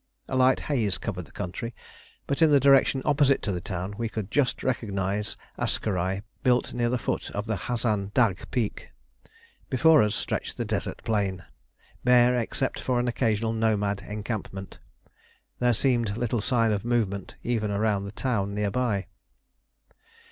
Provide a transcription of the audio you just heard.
A light haze covered the country, but in the direction opposite to the town we could just recognise Akserai built near the foot of the Hasan Dagh peak. Before us stretched the desert plain, bare except for an occasional nomad encampment; there seemed little sign of movement, even around the town near by.